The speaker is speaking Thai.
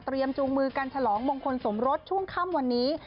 จูงมือกันฉลองมงคลสมรสช่วงค่ำวันนี้